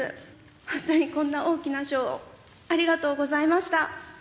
本当にこんな大きな賞をありがとうございました。